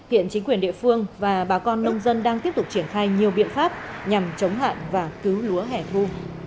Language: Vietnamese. hiện chính quyền địa phương và bà con nông dân đang tiếp tục triển khai nhiều biện pháp nhằm chống hạn và cứu lúa hẻ thu